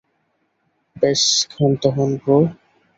ব্যস ক্ষান্ত হন, ব্রো।